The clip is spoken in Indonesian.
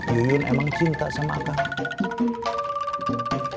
yuyun emang cinta sama kang komar